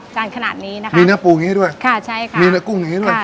จานขนาดนี้นะคะมีเนื้อปูอย่างนี้ด้วยค่ะใช่ค่ะมีเนื้อกุ้งอย่างงี้ด้วย